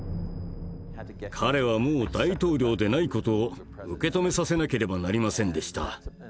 彼はもう大統領でない事を受け止めさせなければなりませんでした。